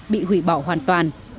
bị hủy bỏ hoàn toàn